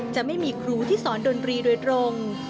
จะไม่มีครูที่สอนดนตรีโดยตรง